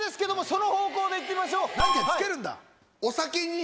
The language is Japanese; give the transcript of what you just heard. その方向でいってみましょう。